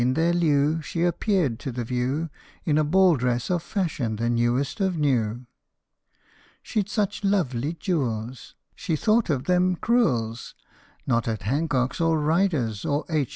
in their lieu, she appeared to the view In a ball dress of fashion the newest of new ! She 'd such lovely jewels The thought of them cruel 's ! Not at Hancock's, or Ryder's, or H.